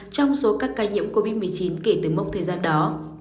trong số các ca nhiễm covid một mươi chín kể từ mốc thời gian đó